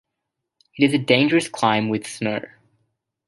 It is a dangerous climb with snow.